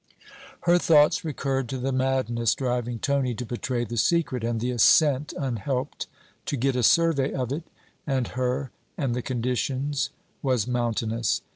Her thoughts recurred to the madness driving Tony to betray the secret; and the ascent unhelped to get a survey of it and her and the conditions, was mountainous.